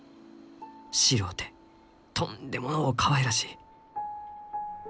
白うてとんでものうかわいらしい。